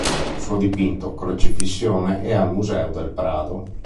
Un suo dipinto, "Crocefissione", è al Museo del Prado.